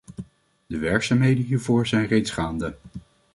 De werkzaamheden hiervoor zijn reeds gaande.